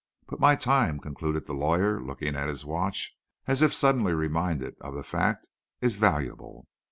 But my time," concluded the lawyer, looking at his watch as if suddenly reminded of the fact, "is valuable."